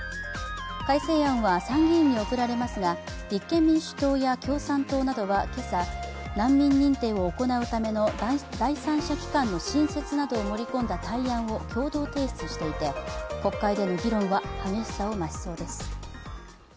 改正案は参議院に送られますが立憲民主党や共産党などは今朝、難民認定を行うための第三者機関の新設などを盛り込んだ対案を共同提出していて国会での議論は激しさを増しそうです。